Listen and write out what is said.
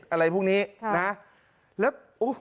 อะไรพวกนี้นะแล้วและโอ้